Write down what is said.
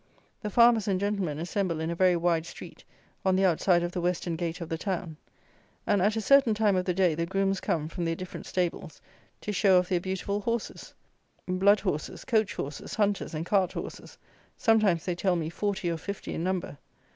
The farmers and gentlemen assemble in a very wide street, on the outside of the western gate of the town; and at a certain time of the day the grooms come from their different stables to show off their beautiful horses; blood horses, coach horses, hunters, and cart horses; sometimes, they tell me, forty or fifty in number.